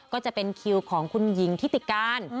ก็จะเป็นคิวของคุณหญิงทิติการ